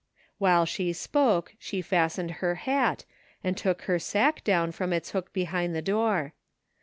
While she spoke she fastened her hat, and took her sacque down from its hook behind the door.